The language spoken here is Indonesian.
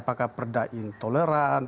apakah perdah intoleran